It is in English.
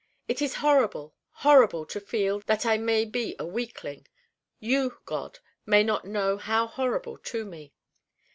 It is horrible, horrible to feel that I may be a weakling you, God, may not know how horrible to me.